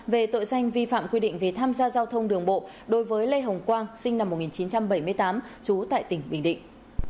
về tội danh vi phạm quy định về tham gia giao thông đường bộ đối với lê hồng quang sinh năm một nghìn chín trăm bảy mươi tám trú tại tỉnh bình định